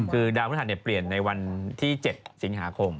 คือดาวพระธรรมเนี่ยเปลี่ยนในวันที่๗สิงหาคม